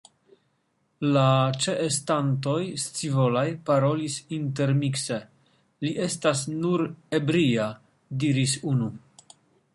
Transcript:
La ĉeestantoj scivolaj parolis intermikse: Li estas nur ebria, diris unu.